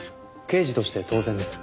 刑事として当然です。